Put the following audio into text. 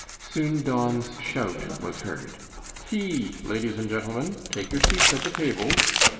Soon Don's shout was heard: "Tea, ladies and gentlemen; take your seats at the tables."